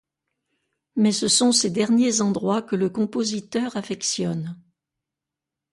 Mais ce sont ces derniers endroits que le compositeur affectionne.